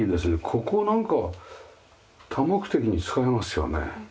ここなんか多目的に使えますよね。